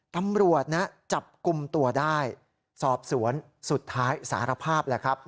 ตำรวจนะจับกลุ่มตัวได้สอบสวนสุดท้ายสารภาพแหละครับ